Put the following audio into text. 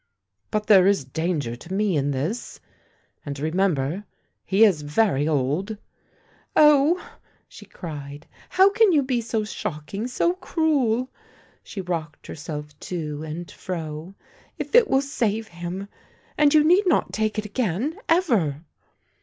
" But there is danger to me in this ... and remember, he is very old !"" Oh," she cried, " how can you be so shocking, so cruel !" She rocked herself to and fro. " If it will save him — and vou need not take it again, ever